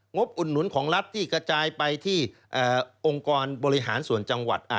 บอุดหนุนของรัฐที่กระจายไปที่องค์กรบริหารส่วนจังหวัด